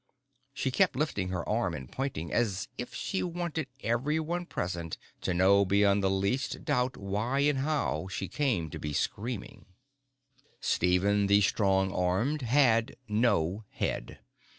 She kept lifting her arm and pointing as if she wanted everyone present to know beyond the least doubt why and how she came to be screaming. Stephen the Strong Armed had no head.